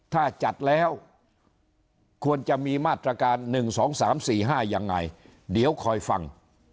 ถ้าจัดแล้วควรจะมีมาตรการ๑๒๓๔๕ยังไงเดี๋ยวคอยฟัง